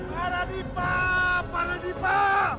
pak radipa pak radipa